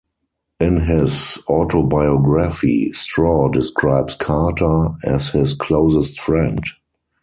In his autobiography Straw describes Carter as his closest friend.